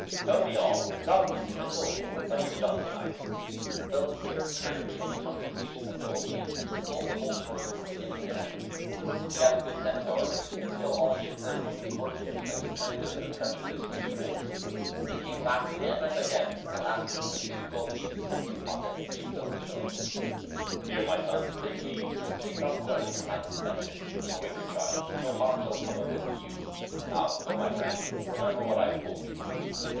"Tell me all without missing a syllable that you have done to night." Philip took courage from the condescension of the old King, and told the whole story from beginning to end. He had the good sense, however, to conceal all he had heard among the courtiers that could turn to the prejudice of the Prince. The King laughed again and again, and at last took two gold pieces from his pocket and gave them to Philip. "Here, my son, take these, but say not a word of your night's adventures. Await your trial; no harm shall cone of it to you. Now go, my friend, and remember what I have told you."